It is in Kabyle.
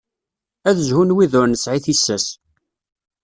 Ad zhun wid ur nesɛi tissas.